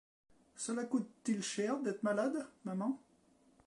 Cela coûte-t-il cher d’être malade, maman ?